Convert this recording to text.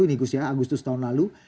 ini gus ya agustus tahun lalu